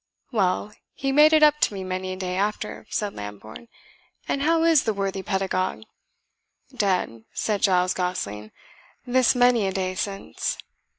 "Well, he made it up to me many a day after," said Lambourne; "and how is the worthy pedagogue?" "Dead," said Giles Gosling, "this many a day since."